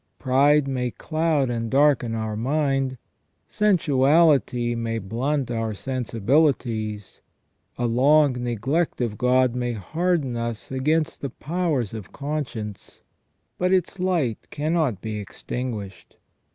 Pride may cloud and darken our mind ; sensuality may blunt cur sensibilities ; a long neglect of God may harden us against the powers of conscience, but its light cannot be extinguished.